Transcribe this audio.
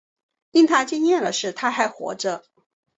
令他讶异的是她还活着